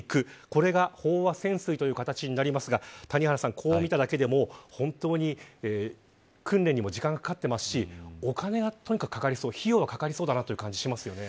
これが飽和潜水という形になりますがこう見ただけでも本当に訓練にも時間がかかっていますしお金がとにかくかかりそうだという感じがしますね。